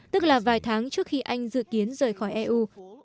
tức là vài tháng trước khi anh dự kiến rời khỏi eu